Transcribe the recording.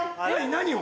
何を？